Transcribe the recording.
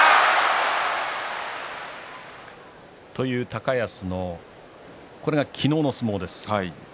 高安の昨日の相撲です。